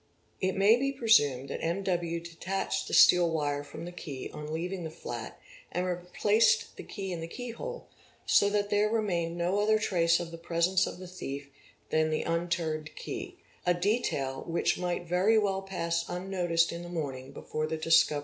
i It may be presumed that M.W. detached the steel wire from the key on ~ leaving the flat and replaced the key in the keyhole, so that there remained — no other trace of the presence of the thief than the unturned key—a detail which might very well pass unnoticed in the morning before the discovery of the theft.